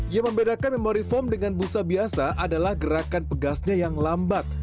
yang membedakan memori foam dengan busa biasa adalah gerakan pegasnya yang lambat